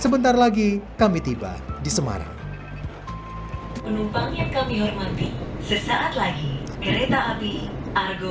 sebentar lagi kami tiba di semarang penumpang yang kami hormati sesaat lagi kereta api argo